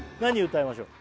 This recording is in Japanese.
歌いましょう？